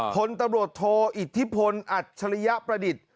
พลตำรวจโทอิทธิพลอัจฉริยประดิษฐ์